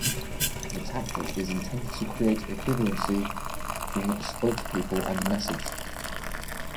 The tactic is intended to create an equivalency in spokespeople and message.